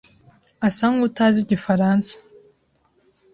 asa nkutazi igifaransa.